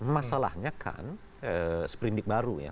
masalahnya kan seperindik baru ya